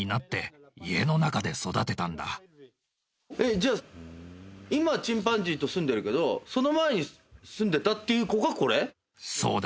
じゃあ今チンパンジーと住んでるけどその前に住んでたっていう子がこれ？